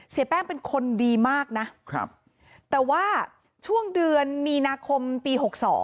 เสียแป้งเป็นคนดีมากนะแต่ว่าช่วงเดือนมีนาคมปี๖๒